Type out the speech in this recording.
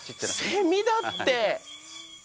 セミだって。